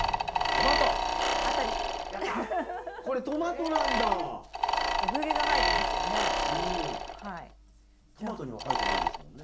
トマトには生えてないですもんね。